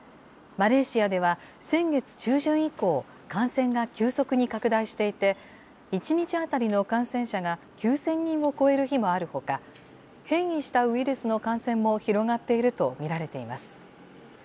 マレーシアでは先月中旬以降、感染が急速に拡大していて、１日当たりの感染者が９０００人を超える日もあるほか、変異したウイルスの感染も広がっていると見られています。